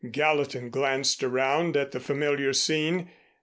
Gallatin glanced around at the familiar scene.